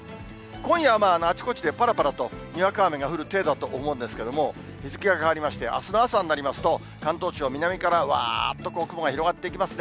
今夜はあちこちでぱらぱらとにわか雨が降る程度だと思うんですけれども、日付が変わりまして、あすの朝になりますと、関東地方、南からわーっと雲が広がっていきますね。